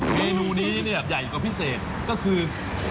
เมนูนี้เนี่ยใหญ่กว่าพิเศษก็คือ